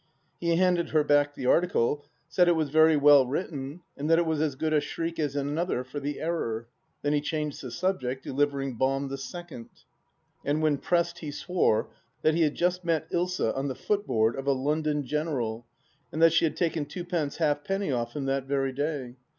... He handed her back the article, said it was very well written, and that it was as good a shriek as another for the Error. Then he changed the subject, delivering bomb the second. He remarked, and when pressed he swore, that he had just met Ilsa on the footboard of a " London General," and that she had taken twopence halfpenny " off him " that very day.